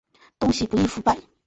东西不容易腐败